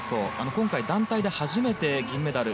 今回、団体で初めて銀メダル。